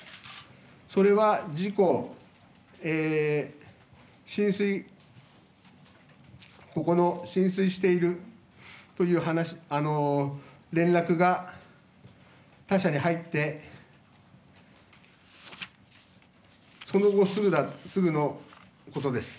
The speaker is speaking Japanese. それは事故、浸水しているという連絡が他社に入ってその後、すぐのことです。